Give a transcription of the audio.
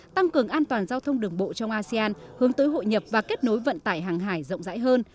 tăng cường an toàn giao thông đường bộ trong asean hướng tới hội nhập và kết nối vận tải hàng hải rộng rãi hơn